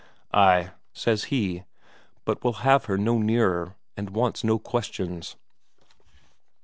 "Ay," says he, but will have her no nearer, and wants no questions.